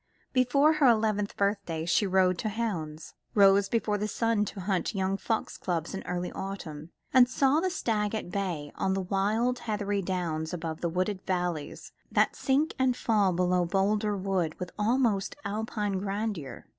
Before her eleventh birthday she rode to hounds, rose before the sun to hunt the young fox cubs in early autumn, and saw the stag at bay on the wild heathery downs above the wooded valleys that sink and fall below Boldrewood with almost Alpine grandeur.